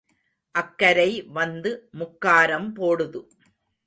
அக்கரை வந்து முக்காரம் போடுது,